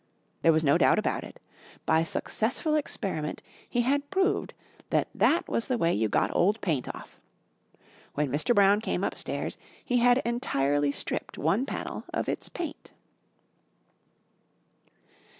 There was no doubt about it. By successful experiment he had proved that that was the way you got old paint off. When Mr. Brown came upstairs he had entirely stripped one panel of its paint.